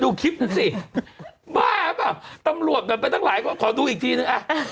นึกออกว่าถ้าตัวหมากัดมันก็อ้ายกว่าไหมวะ